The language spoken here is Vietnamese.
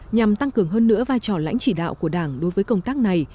nhằm tăng cường hơn nữa vai trò lãnh chỉ đạo của đảng đối với công tác này